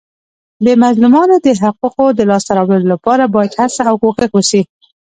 د مظلومانو د حقوقو د لاسته راوړلو لپاره باید هڅه او کوښښ وسي.